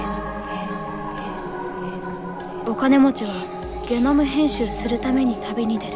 お金持ちはゲノム編集するために旅に出る。